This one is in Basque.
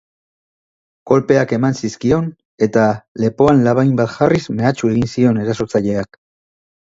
Kolpeak eman zizkion eta lepoan labain bat jarriz mehatxu egin zion erasotzaileak.